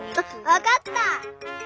わかった！